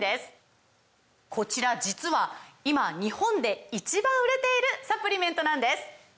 こちら実は今日本で１番売れているサプリメントなんです！